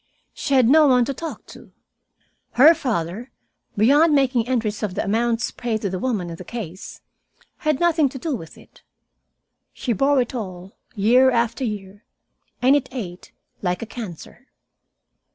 She had no one to talk to. Her father, beyond making entries of the amounts paid to the woman in the case, had nothing to do with it. She bore it all, year after year. And it ate, like a cancer.